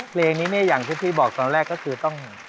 เพลงนี้เนี่ยอย่างที่พี่บอกตอนแรกก็คือต้อง